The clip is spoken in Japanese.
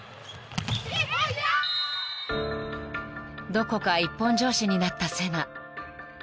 ［どこか一本調子になったセナ］